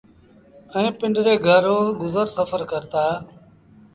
ائيٚݩ پنڊري گھر رو گزر سڦر ڪرتآ